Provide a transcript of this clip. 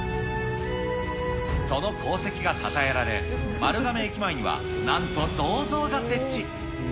その功績がたたえられ、丸亀駅前にはなんと銅像が設置。